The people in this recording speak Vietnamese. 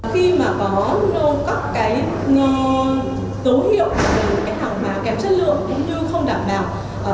khi mà có các tố hiệu hàng hóa kém chất lượng cũng như không đảm bảo